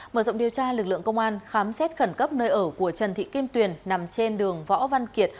mở rộng điều tra lực lượng công an khám xét khẩn cấp nơi ở của trần thị kim tuyền nằm trên đường võ văn kiệt